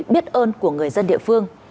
biết ơn của người dân địa phương